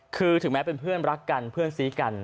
คือถึงแม้เป็นเพื่อนรักกันเพื่อนซีกัน